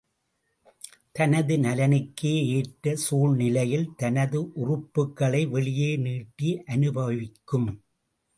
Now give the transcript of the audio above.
தனது நலனுக்கே ஏற்ற சூழ்நிலையில் தனது உறுப்புக்களை வெளியே நீட்டி அனுபவிக்கும்.